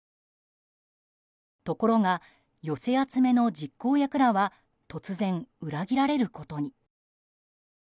ところが寄せ集めの実行役らは突然、裏切られることに。